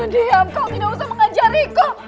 diam kau tidak usah mengajariku